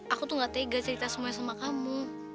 aku tuh gak tega cerita semuanya sama kamu